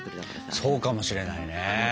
そうかもしれないね。